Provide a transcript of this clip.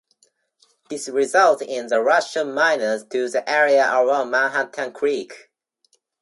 This resulted in a rush of miners to the area along Manhattan Creek.